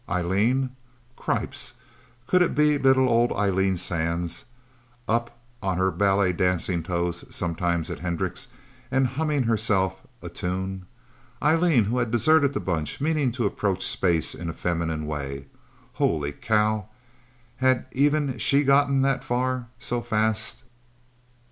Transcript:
Eileen? Cripes, could it be little old Eileen Sands, up on her ballet dancing toes, sometimes, at Hendricks', and humming herself a tune? Eileen who had deserted the Bunch, meaning to approach space in a feminine way? Holy cow, had even she gotten that far, so fast?